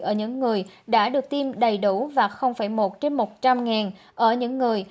ở những người đã được tiêm đầy đủ và một trên một trăm linh ở những người